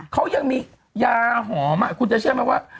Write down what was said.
เขายังมียาหอมคุณจะเชื่อไหมว่า